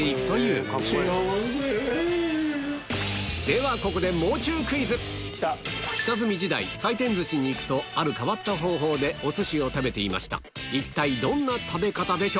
ではここで下積み時代回転寿司に行くとある変わった方法でお寿司を食べていましたはい！